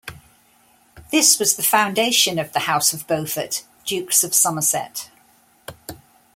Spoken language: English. This was the foundation of the House of Beaufort, Dukes of Somerset.